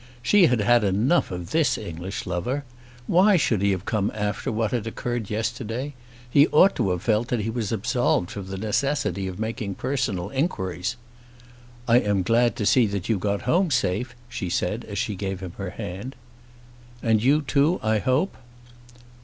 She had had enough of this English lover. Why should he have come after what had occurred yesterday? He ought to have felt that he was absolved from the necessity of making personal inquiries. "I am glad to see that you got home safe," she said as she gave him her hand. "And you too, I hope?"